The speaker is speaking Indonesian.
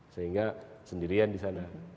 sehingga sendirian di sana